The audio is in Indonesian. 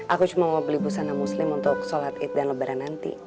aku cuma mau beli busana muslim untuk sholat id dan lebaran nanti